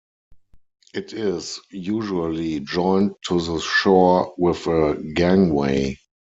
It is usually joined to the shore with a gangway.